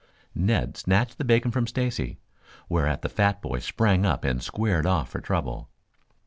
Ned snatched the bacon from Stacy, whereat the fat boy sprang up and squared off for trouble.